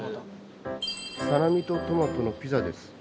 サラミとトマトのピザです。